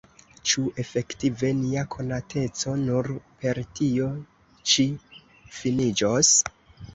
Ĉu efektive nia konateco nur per tio ĉi finiĝos?